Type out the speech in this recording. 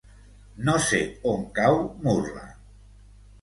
No sé on cau Murla.